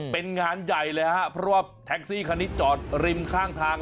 เป็นงานใหญ่เลยฮะเพราะว่าแท็กซี่คันนี้จอดริมข้างทาง